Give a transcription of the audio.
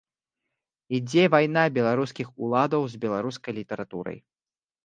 Ідзе вайна беларускіх уладаў з беларускай літаратурай.